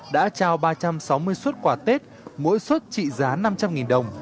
đã trao ba trăm sáu mươi xuất quà tết mỗi suất trị giá năm trăm linh đồng